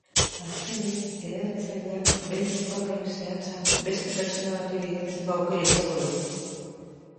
Azkenik, erabiltzaileak bere kokapen zehatza beste pertsona bati bidaltzeko aukera izango du.